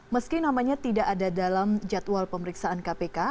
meski namanya tidak ada dalam jadwal pemeriksaan kpk